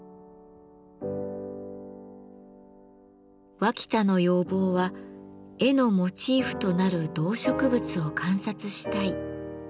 脇田の要望は「絵のモチーフとなる動植物を観察したい」ということ。